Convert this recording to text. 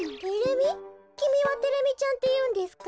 きみはテレミちゃんっていうんですか？